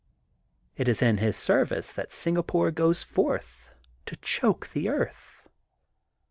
It is in his service that Singapore goes forth to choke the earth.